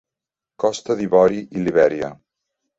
Costa d'Ivori i Libèria.